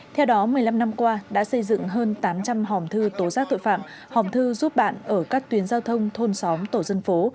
theo đó một mươi năm năm qua đã xây dựng hơn tám trăm linh hòm thư tố giác tội phạm hòm thư giúp bạn ở các tuyến giao thông thôn xóm tổ dân phố